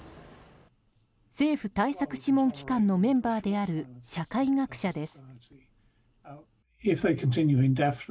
政府対策諮問機関のメンバーである社会学者です。